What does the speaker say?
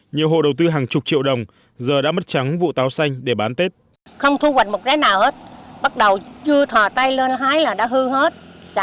nhiều hộ đầu tư hàng chục triệu đồng giờ đã mất trắng vụ táo xanh để bán tết